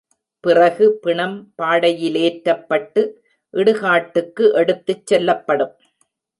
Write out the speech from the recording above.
பிறகு பிணம் பாடையிலேற்றப்பட்டு இடுகாட்டுக்கு எடுத்துச் செல்லப்படும்.